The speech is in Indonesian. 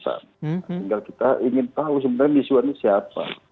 sehingga kita ingin tahu sebenarnya misua ini siapa